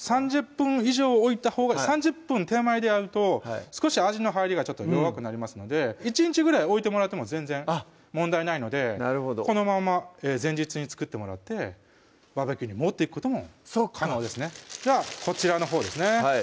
３０分以上置いたほうが３０分手前でやると少し味の入りが弱くなりますので１日ぐらい置いてもらっても全然問題ないのでなるほどこのまま前日に作ってもらってＢＢＱに持って行くことも可能ですねじゃあこちらのほうですね